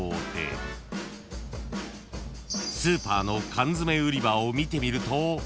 ［スーパーの缶詰売り場を見てみると］